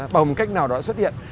bằng cách nào đó xuất hiện